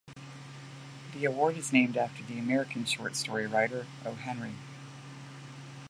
The award is named after the American short story writer, O. Henry.